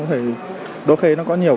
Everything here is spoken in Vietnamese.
thì đôi khi nó có nhiều